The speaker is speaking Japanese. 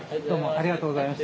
ありがとうございます。